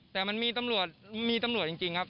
แต่มันมีตำรวจมีตำรวจจริงครับ